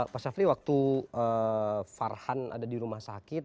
pak syafri waktu farhan ada di rumah sakit